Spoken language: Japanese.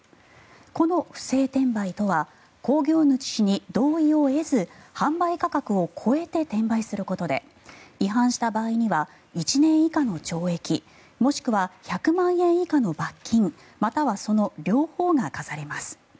この不正転売とは興行主に同意を得ず販売価格を超えて転売することで違反した場合には１年以下の懲役もしくは１００万円以下の罰金またはその両方が科されます。